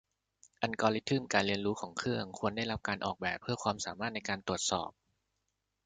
อัลกอริทึมการเรียนรู้ของเครื่องควรได้รับการออกแบบเพื่อความสามารถในการตรวจสอบ